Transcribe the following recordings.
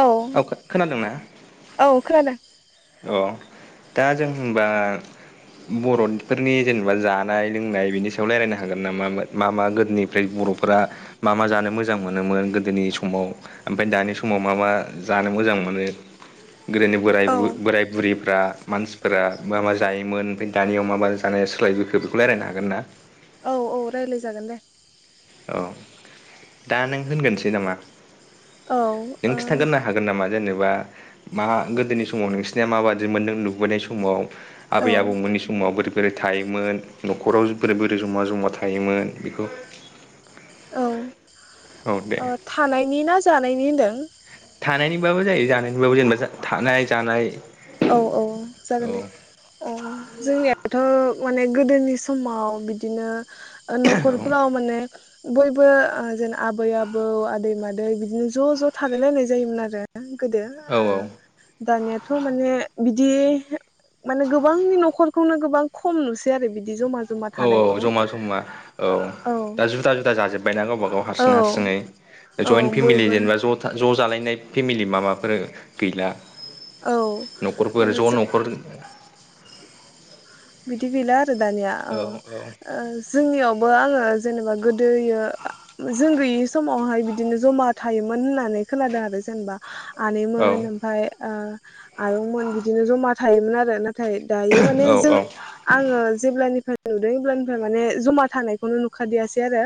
औ औ खोनादों। अ दा जों होम्बा बर'फोरनि जेनेबा जानाय लोंनाय बेनि सायाव रायजलायनो हागोन नामा मा मा गोदोनिफ्राय बर'फोरा मा मा जानो मोजां मोनोमोन गोदोनि समाव ओमफ्राय दानि समाव मा मा जानो मोजां मोनो। गोदोनि बोराय बु औ बोराय बुरिफ्रा मानसिफोरा मा मा जायोमोन ओमफ्राय दानियाव मा मा जानाया सोलायबोखो बेखौ रायजलायनो हागोन ना? औ औ रायज्लाय जागोन दे। औ दा नों होनगोनसै नामा। औ ओ नों औ खिन्थागोरनो हागोन नामा जेनेबा एबा मा गोदोनि समाव नोंसिनिया माबादि मोनदों नुबैनाय समाव आबै आबौमोननि समाव बोरै बोरै थायोमोन नखराव बोरै बोरै जमा जमा थायोमोन बेखौ औ थानायनि ना जानाय लायनि होनदों थानायनिबाबो जायो जानायनिबाबो जेनेबा थानाय जानाय औ औ जागोन औ दे अ जोंनियाथ माने गोदोनि समाव बिदिनो न'खरफोराव माने बयबो ओ जेन आबै आबौ आदै मादै बिदिनो ज' ज' थालायलायनाय जायोमोन आरो। गोदो औ ओ दानियाथ' बिदि माने गोबांनि न'खरखौनो गोबां खम नुसै आरो बि औ औ जमा जमा औ दा जुदा जुदा जाजोब्बाय ना गावबा गा हार औ हारसिङै औ जयेन्ट फेमिलि बयबो जेनेबा ज' ज' जालायनाय फेमिलि माबाफोर गैला औ ओ न'खरखौ ज जो न'खर दि गैला आर दानिया अ औ ओ जोंनियावबो आङो जेनेबा गो दोयो जों गैयि स समावहाय बिदिनो जमा थायोमोन होननानै खोनादों आरो जेनेबा औ आनैमोन ओमफाय आ आयंमोन बिदिनो जमा थायोमोन आरो ना थाय दायो माने जों औ औ आङो जेब्लानिफ्राय नुदों अब्लानिफ्राय माने जमा थानायखौनो नुखादियासै आरो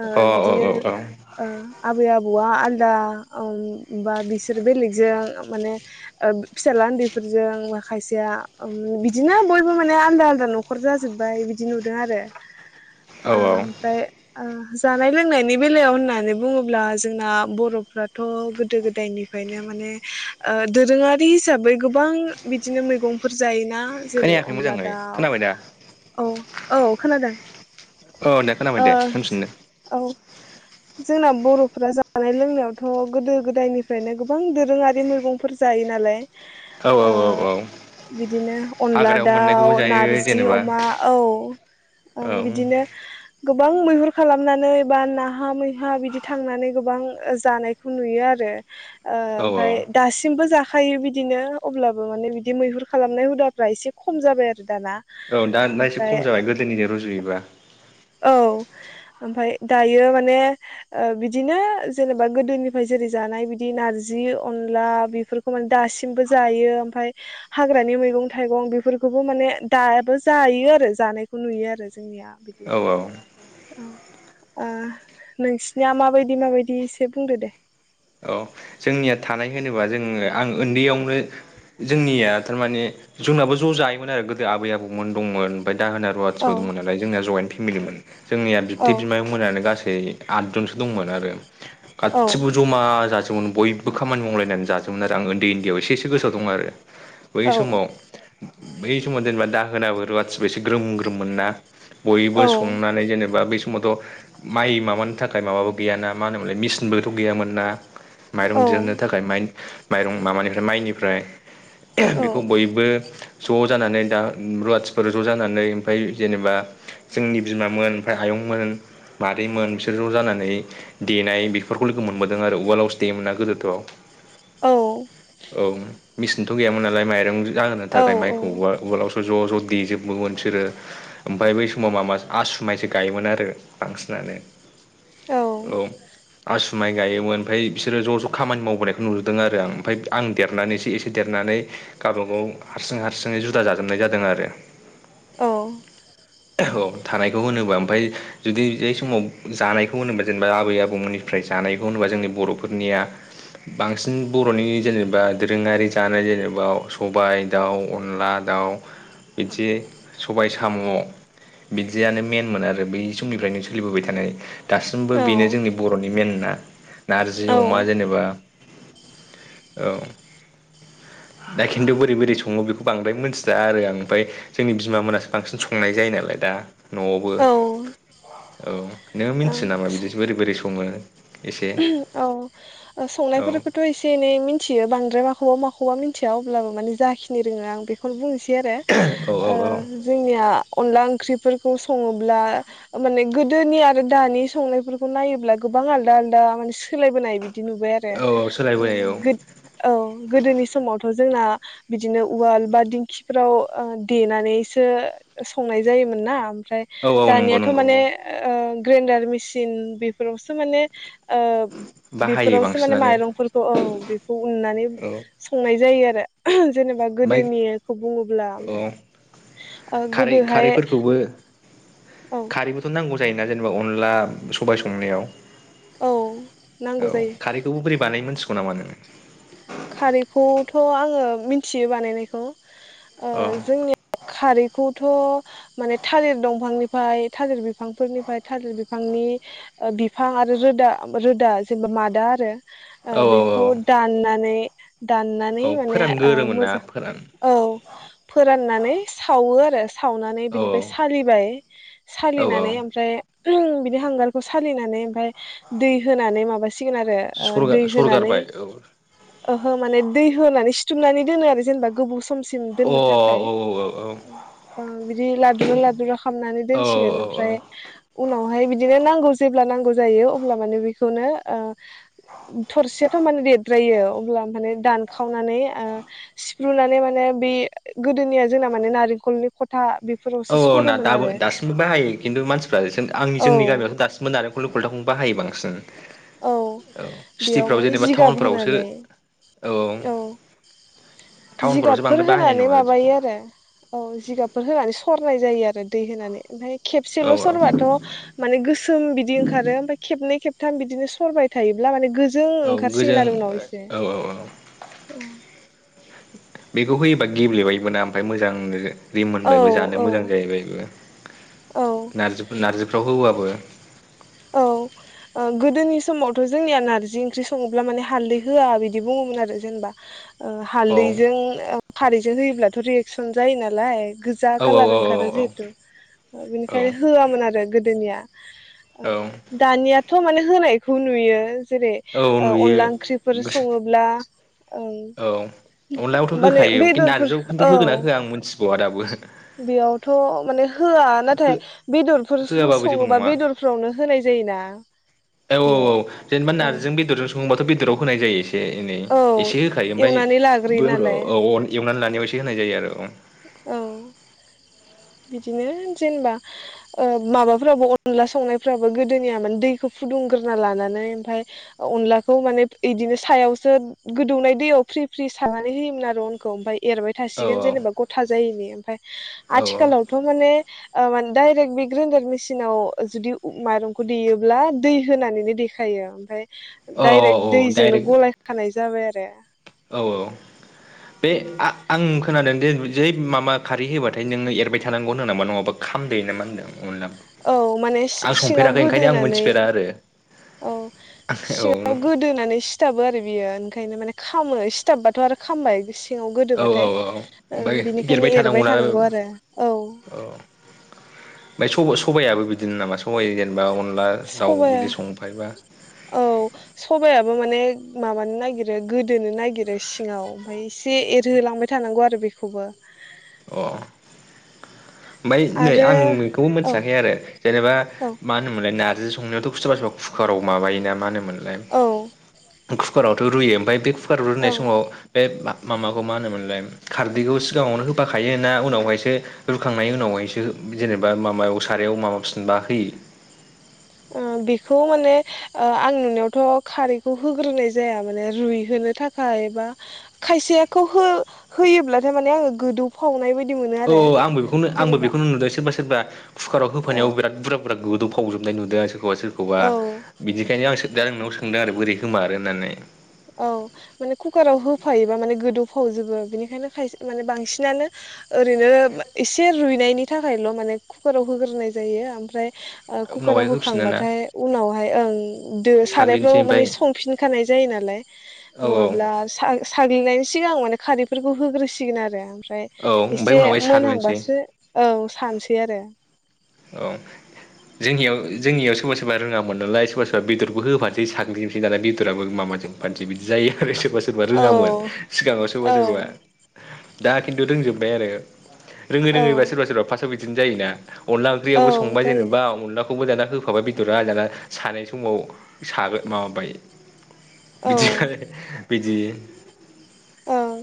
ओ अ औ बिदिनो औ ओ आबै आब बौवा आलादा बा बिसोर बेलेगजों माने ओ फिसाला उन्दैफोरजों खायसेया बिदिनो बयबो माने आलदा आलदा नखर जाजोब्बाय बिदि नुदों आरो औ औ ओमफ्राय ओ जानाय लोंनायनि बेलायाव होननानै बुङोब्ला जोंना बरफ्राथ गोदो गोदायनिफ्रायनो माने ओ दोरोङारि हिसाबै गोबां बिदिनो मैगंफोर जायोना जेरै खोनायाखै अनला मोजाङै दाउ खोनाबाय दा औ औ खोनादों औ दा खोनाबाय ओ दे होनफिनदो औ जोंना बरफ्रा जानाय लोंनायावथ गोदो गोदायनिफ्रायनो गोबां दोरोङारिमोन गंफोर जायो नालाय औ औ ओ औ बिदिनो अनला हाग्रायाव मोननायखौबो दाउ जायो नारजि जेनेबा अमा औ औ ओं बिदिनो गोबां मैहुर खालामनानै बा नाहा मैहा बिदि थांनानै गोबां ओ जानायखौ नुयो आरो औ औ ओमफ्राय सिमबो जाखायो बिदिनो अब्लाबो माने बिदि मैहुर खालामनाय हुदाफ्रा एसे खम जाबाय आरो दाना औ दाना एसे ओमफ्राय खम जाबाय गोदोनिजों रुजुयोबा औ ओमफाय दायो माने ओ बिदिनो जेनेबा गोदोनिफ्राय जेरै जानाय बिदि नारजि अनला बेफोरखौ माने दासिमबो जायो ओमफाय हाग्रानि मैगं थाइगं बेफोरखौबो माने दाबो जायो आरो जानायखौ नुयो आरो जोंनिया औ औ औ ओ नोंसिनिया माबायदि माबायदि एसे बुंदो दे। औ जोंनिया थानाय होनोबा जोङो आं ओन्दैयावनो जोंनिया थारमाने जोंनाबो ज जायोमोन आरो गोदो आबै आबौमोन दंमोन ओमफाय दाहोना औ रुवाथिबो दंमोन नालाय जोंना जयेन्ट फेमिलिमोन जोंनिया बिबथै औ बिमायं मोनानो गासै आदजनसो दंमोन आरो औ गासिबो जमा जाजोब बयबो खामानि मावलायनानै जाजोबोमोन आरो आं उन्दै उन्दैआव एसे एसे गो सोआव दङ आरो बै औ समाव बै समाव जेनेबा दाहोनाबो रुवासिबो एसे ग्रोम ग्रोममोन ना बयबो औ संनानै जेनेबा बै समावथ माइ माबान थाखाय माबाबो गैयाना मा होनोमोनलाय मिसिनबोथ गैयामोन ना माइरं दिहुननो थाखाय माइ माइरं माबानिफ्राय माइनि फ्राय औ बेखौ बयबो ज जानानै दा रुवाथिफोर ज जानानै ओमफ्राय जेनेबा जोंनि बिमामोन ओमफ्राय आयंमोन मादैमोन बिसोर ज जानानै देनाय बेफोरखौ लोगो मोनबोदों आरो उवालावस देयो मोना गोदोथ औ औ मेसिनथ गैयामोन नालाय माइरं जाहोनो औ थाखाय माइखौ औ औ उवा उवालावसो ज' ज' देजोबोमोन सोरो ओमफ्राय बै समाव माबा आसु माइसो गायोमोन आरो बांसिनानो औ आसु माइ गायोमोन ओमफाय बिसोरो ज' ज' खामानि मावबोनायखौ नुजदों आरो आं ओमफ्राय आं देरनानैसो एसे देरनानै गावबागाव हारसिं हारसिङै जुदा जाजोबनाय जादों आरो अ औ थानायखौ होनोबा ओमफाय जुदि ऐ समाव जानायखौ होनोबा जेनेबा आबै आबौमोननिफ्राय जानायखौ होनोबा जोंनि बर' फोरनिया बांसिन बर'नि जेनेबा दोरोङारि जानाय जेनेबा सबाइ दाउ अनला दाउ बिदि सबाय साम' बिदियानो मेनमोन आरो बै समनिफ्रायनो सोलिबोबाय थानाय दासिमबो औ बेनो जोंनि बर'नि मेनना जि अमा जेनेबा औ दा खिन्थु बोरै बोरै सङो बेखौ बांद्राय मोनथिला आरो आं ओमफाय जोंनि बिमा मोनासो बांसिन संनाय जायो नालाय दा न'आवबो औ औ नोङो ओं मिनथियो नामा बिदि बोरै आरो बोरै सङो? एसे औ औ संनायफोरखौथ एसे एनै मिथियो बांद्राय माखौबा माखौबा मिथिया अब्लाबो माने जाखिनि रोङो आं बेखौनो बुंनोसै दि औ आरो ओ जोंनिया अनला ओंख्रिफोरखौ सङोब्ला माने गोदोनि आरो दानि संनायफोरखौ नायोब्ला गोबां आल दालदा माने [unintelligible] सोलायबोनाय बिदि नुबाय आरो औ औ सोलायबोनाय औ उम गोद औ गोदोनि समावथ जोंना बिदिनो उवाल बा दिंखिफ्राव देनानैसो संनाय जायोमोन ना ओमफ्राय औ औ नंगौ दानियाथ नंगौ माने औ ओ ग्रेन्डार मिसिन बेफोरावसो माने ओ बाहायो बेफोरावसो माने बांसिनानो माइरंफोरखौ औ बेखौ उननानै औ संनाय जायो आ [unintelligible] [unintelligible] जेनेबा ओमफ्राय गोदोनिखौ बुङोब्ला औ ओ खारै गोदोहाय खारैफोरखौबो औ खारैबोथ' नांगौ जायोना जेनेबा अनला सबाय संनायाव औ नांगौ औ जायो खारैखौबो बोरै बानायनो मोनथिगौ नामा नोङो? खारैखौथ आङो मिथियो बानायनायखौ। ओ औ जोंनि खारै खौथ माने थालिर दंफांनिफ्राय थालिर बिफांफोरनिफ्राय थालिर बिफांनि बिफां आरो रोदा रोदा जेनेबा मादा आरो औ औ बेखौ दाननानै बे दाननानै औ माने ओ फोरानगोरोमोन ना मोजां फोरान औ फोराननानै सावो आरो सावनानै औ बिनिफ्राय सालिबाय औ सालिनानै ओमफ्राय ओहम बिनि हांगारखौ सालिनानै ओमफ्राय दै होनानै माबा हसिगोन आरो औ दै होनानै सरगारबाय औ अ ओहो माने दै होनानै सिथुमनानै दोनो आरो जेनेबा गोबाव समसिम औ दोननो थाखाय औ औ ओ बिदिनो लाद्रु लाद्रु खामनानै औ दोनसिगोन औ औ ओमफ्राय उनावहाय बिदिनो नांगौ समाव जेब्ला नांगौ जायो। अब्ला माने बेखौनो थरसेयाथ माने द जायो। अब्ला माने दानखाव खावनानै सि रुनानै माने बे गोदोनिया जोंना माने नारेंखलनि खथा औ बेफोरावसो औ ना सरोमोन दाबो आरो दासिमबो बाहायो खिन्थु मानसिफ्रा आंनि औ जोंनि गामियावथ दासिमबो नारेंखल कलथाखौबो बाहायो बां सिन। औ बेयाव माने जेनेबा जिगाब टाउनफोरावसो होनानै औ। टाउनफोरावसो जिगाबफोर बांद्राय बाहायनाय होनानै नङा बिदिखौ माबायो आरो औ जिगाब फोर होनानै सरनाय जायो आरो दै होनानै। ओमफ्राय औ खेबसेल सरबाथ माने गोसोम बिदि ओंखारो ओमफ्राय खेबनै खेब थाम बिदिनो सरबाय थायोब्ला माने गोज जों औ ओंखारसिगोन गोजों आरो उनाव एसे। औ औ बेखौ होयोबा गेब्लेबाय मोना ओमफ्राय मोजांनो। औ रिमबाय बो जानो मोजां औ जाहैबायबो। नारजि नारजिफ्राव होबाबो औ ओ गोदोनि समावथ जोंनिया नारजि ओंख्रि सङोब्ला माने हालदै होआ बिदि बुङोमोन आरो जेनेबा ओ औ हालदैजों खारैजों होयोब्लाथ रियेकसन जायो नालाय। गोजा औ औ कालार औ ओंखारो जिहेथु औ बेनिखायनो होआमोन आरो गोद [unintelligible] ओ औ दानिया थ माने होनायखौ नुयो जेरै औ ओ नुयो अनला ओंख्रिफोर सङोब्ला ओं औ अनलायावथ' माने होखायो खिन्थु बेदरफोर नारजियाव खिन्थु औ होगोना होआ आं मिथिबावा दाबो बेयावथ माने होआ नाथाय हो बेदरफोर होआबाबो जेबो सङोबा नङा बेदर औ औ बेयाव औ जेनेबा औ नारजिजों बेदरजों सङोबाथ बेदराव होनाय जायो एसे ए एनै औ एसे होखायो एवनानै ओमफ्राय लाग्रोयो नालाय [unintelligible] एवनानै लानायाव एसे होनाय जायो आरो औ औ बिदिनो जेनेबा ओ माबाफोराबो अनला संनायफ्राबो गोदोनिया माने दैखौ फुदुंग्रोना लानानै ओमफ्राय अनलाखौ माने बिदिनो सायावसो गोदौनाय दैयाव फ्रि फ्रि सारनानै होयोमोन आरो अनखौ ओमफ्राय एरबाय औ थासिगोन जेनेबा जायिनि ओमफ्राय औ आथिखालावथ माने ओ माने दायरेक्ट बे ग्रेन्डार मेसिनाव जुदि माइरंखौ देयोब्ला दै होनानैनो देखायो ओमफ्राय औ डाइरेक्ट औ दैजोंनो डाइरेक्ट गलाय खानाय जाबाय आरो औ औ बे आ-आं खोनादों दे जै माबा खारै होबाथाय नोंङो एरबाय थानांगौ होन्दों नामा नङाबा खामदोयो ना मा होनदों? अनला औ माने आं सिङाव संफेराखै ओंखायनो आं गोदोनानै मोनथिफेरा आरो औ औ सिङाव गोदोनानै सिथाबो आरो बियो ओंखायनो माने खामो सिथाबबाथ आरो खामबाय सिङाव औ औ गोदोबाथाय औ ओमफ्राय ओ बिनिखायनो एरबाय थानांगौना औ थानांगौ आरो औ सबाइयाबो बिदिनो नामा सबाइ जेनेबा अन सबाया औ सबायाबो माने माबानो नागिरो गोदोनो नागिरो सिङाव ओमफ्राय एसे एरहोलांबाय थानांगौ आरो बेखौबो। अ ओमफ्राय नै आरो आं बेखौबो औ मिथियाखै आरो जेनेबा औ मा होनोमोनलाय नारजि संनायावथ सोरबा सोरबा कुकाराव माबायोना मा होनोमोन [unintelligible] औ कुकारावथ रुयो ओमफ्राय बे कुकाराव रुनाय औ समाव बे माबाखौ मा होनोमोनलाय खारदैखौ सिगाङावनो होफाखायो ना उनावहायसो रुखांनायनि उनावहायसो जेनेबा माबायाव सारायाव माबाफिनबा होयो? ओ बेखौ माने आं नुनायावथ खारैखौ होग्रोनाय जाया माने रुइहोनो थाखाय बा खायसेखौ हो-होयोब्लाथाय माने आङो गोदौफावनाय बायदि मोनो औ आरो आंबो बेखौनो आंबो जेनेबा बेखौनो नुदों सोरबा सोरबा कुकाराव औ होफानायाव बिराद बुरजा गोदौ फावजोबनाय नुदों आं सोर खौबा सोरखौबा औ बिदिखायनो आं सो दा नोंनाव सो सोंदों आरो बोरै होमारो होननानै। औ माने कुकाराव होफायोबा माने गोदौ फावजोबो बेनिखायनो खायसे माने बांसिनानो ओरैनो मा एसे रुइनायनि नि थाखायल' माने कुकाराव होग्रोनाय जायो ओमफ्राय ओ कुकाराव उनावहाय होफिनो ना होखांबाथाय उनाव [unintelligible] ओं दो साग्लिनोसै सारायफ्राव माने ओमफ्राय संफिनखानाय जायो नालाय औ नङाब्ला सा-साग्लिनायनि सिगां माने खारैफोरखौ होग्रोसिगोन आरो ओम फाय औ ओमफ्राय एसे उनावहाय साग्लिनोसै मोनहांबासो औ सान बे आरो। औ जोंनियाव जोंनियाव सोरबा सोरबा रोङामोन नालाय सोरबा सोरबा बेदरबो होफानोसै साग्लिनोसै नालाय बेदराबो माबाजों माबाजुबफानोसै बिदि जायो आरो सोरबा सोरबा औ रोङामोन सिगाङाव सोरबा औ सोरबा। दा खिन्थु रोंजोब्बाय आरो। रोङै औ रोङैबा सोरबा सोरबा फार्स्टआव बिदि बिदिनो जायोना अनला औ ओंख्रियावबो संबाय जायो जेनेबा अनलाखौबो दाना होफाबाय बेदरा दाना सानाय समाव सागो माबाबाय औ बिदिबो बिदि ओं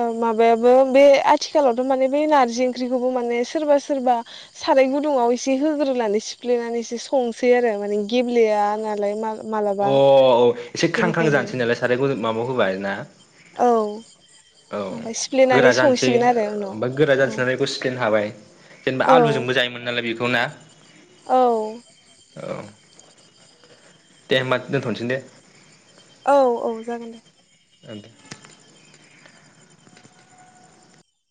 ओं माबायाबो बे आथिखालावथ' माने बे नार्जि ओंख्रिखौबो माने सोरबा सोरबा साराइ गुदुङाव एसे होग्रोनानै सिफ्लेनानैसो संसै आरो माने गेब्लेया नालाय मा मालाबा अ औ एसे ख्रां ख्रां बेनिखायनो जानोसै नालाय साराइ गुदुं माबाव होबा आरो ना? औ औ ओमफ्राय गोरा सिफ्लेनानै जानोसै संसिगोन आरो उनाव बा गोरा औ जानोसै नालाय बेखौ सिफ्लेनो हाबाय जेनेबा आलुजोंबो औ जायोमोन नालाय बेखौ। नंगौना? औ औ दे होमबा दोनथ'नोसै दे। औ औ जागोन दे। ओं दे।